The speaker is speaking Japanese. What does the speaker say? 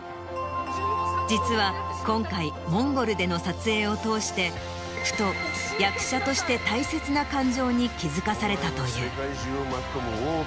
実は今回モンゴルでの撮影を通してふと役者として大切な感情に気付かされたという。